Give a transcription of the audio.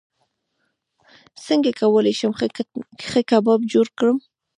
څنګه کولی شم ښه کباب جوړ کړم